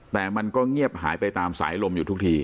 แต่มันก็เงียบหายไปตามสายลมอยู่ทุกที